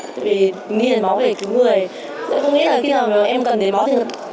tại vì nghi hiển máu để cứu người